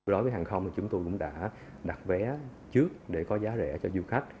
đối với hàng không thì chúng tôi cũng đã đặt vé trước để có giá rẻ cho du khách